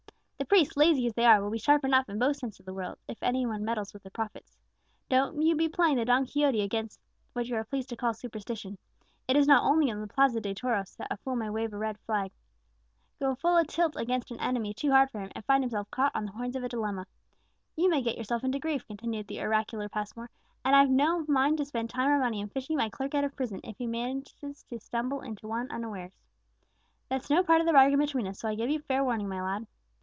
The priests, lazy as they are, will be sharp enough, in both senses of the word, if any one meddle with their profits. Don't you be playing the Don Quixote against what you are pleased to call superstition. It is not only in the Plaza de Toros that a fool may wave a red rag, go full tilt against an enemy too hard for him, and find himself caught on the horns of a dilemma. You may get yourself into grief," continued the oracular Passmore; "and I've no mind to spend time or money in fishing my clerk out of prison, if he manage to stumble into one unawares. That's no part of the bargain between us; so I give you fair warning, my lad."